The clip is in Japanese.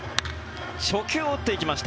初球を打っていきました。